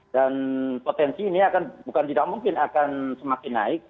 dan potensi ini bukan tidak mungkin akan semakin naik